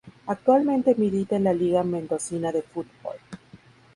Actualmente milita en la Liga Mendocina de Fútbol.